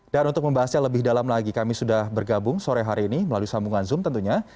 dan untuk membahasnya lebih dalam lagi kami sudah bergabung sore hari ini melalui sambungan zoom tentunya